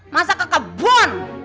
masa ke kebun